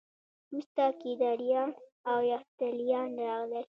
وروسته کیداریان او یفتلیان راغلل